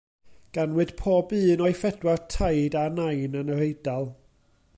Ganwyd pob un o'i phedwar taid a nain yn yr Eidal.